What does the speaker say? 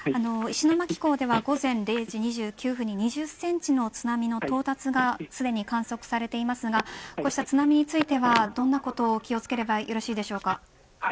石巻港では午前０時２９分に２０センチの津波の到達がすでに観測されていますが津波については、どんなことを気をつければよろしいですか。